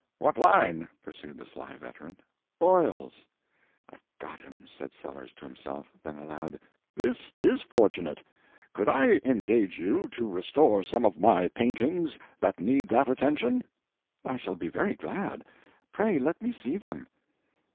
"What line?" pursued the sly veteran. "Oils." "I've got him!" said Sellers to himself. Then aloud, "This is fortunate. Could I engage you to restore some of my paintings that need that attention?" "I shall be very glad. Pray let me see them."